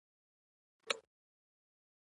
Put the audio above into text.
د حاصل د ښه والي لپاره د هوا کیفیت ښه کول مهم دي.